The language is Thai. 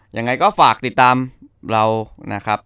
ยังไงก็ฝากติดตามเรานะครับ